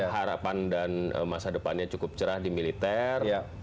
harapan dan masa depannya cukup cerah di militer